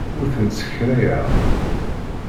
Ur tent-ssekrayeɣ.